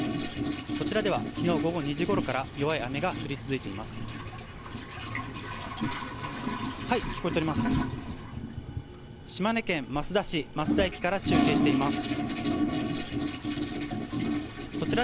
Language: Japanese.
こちらでは昨日午後２時ごろから弱い雨が降り続いています。